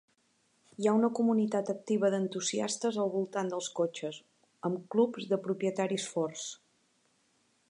Hi ha una comunitat activa d'entusiastes al voltant dels cotxes, amb clubs de propietaris forts.